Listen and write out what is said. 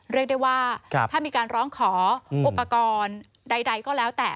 เรียกได้ว่าถ้ามีการร้องขออุปกรณ์ใดก็แล้วแต่